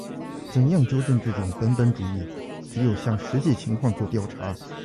怎样纠正这种本本主义？只有向实际情况作调查。